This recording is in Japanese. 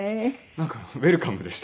なんかウェルカムでした。